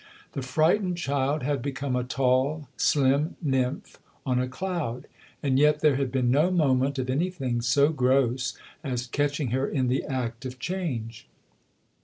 The frightened child had become a tall, slim nymph on a cloud, and yet there had been no moment of anything so gross as catching her in the act of change.